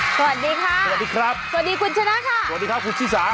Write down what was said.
สวัสดีค่ะสวัสดีครับสวัสดีคุณชนะค่ะสวัสดีครับคุณชิสา